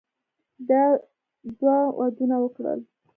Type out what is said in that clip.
ده دوه ودونه وکړل.